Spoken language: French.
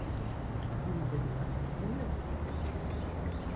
Vous n'y voyez pas d'inconvénient ?